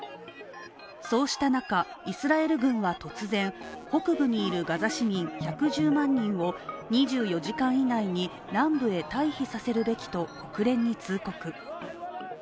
そうした中、イスラエル軍は突然、北部にいるガザ市民１１０万人を２４時間以内に南部へ退避させるべきと国連に通告。